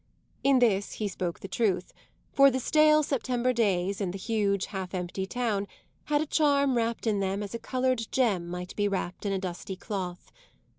In this he spoke the truth, for the stale September days, in the huge half empty town, had a charm wrapped in them as a coloured gem might be wrapped in a dusty cloth.